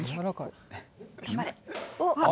おっ。